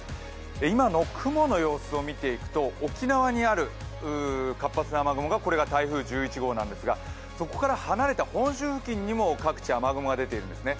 今の雲の様子を見ていくと沖縄にある活発な雨雲がこれが台風１１号なんですがそこから離れた本州付近にも各地、雨雲が出ているんですね。